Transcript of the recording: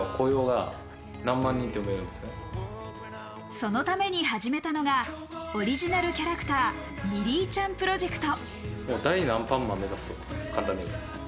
そのために始めたのが、オリジナルキャラクター、ミリーちゃんプロジェクト。